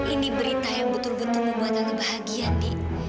ini berita yang betul betul membuat tante bahagia ndi